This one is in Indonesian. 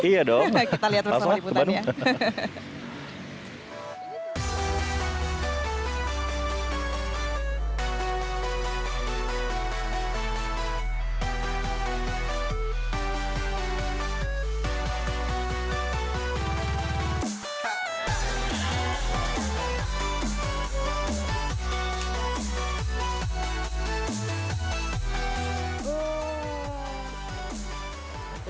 iya dong masuklah ke bandung